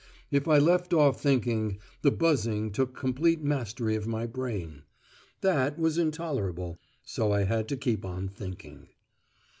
If I left off thinking, the buzzing took complete mastery of my brain. That was intolerable: so I had to keep on thinking.